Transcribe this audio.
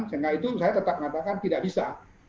sehingga itu saya tetap mengatakan tidak bisa